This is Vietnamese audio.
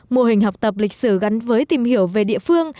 mô hình học tập lịch sử gắn với tìm hiểu về địa phương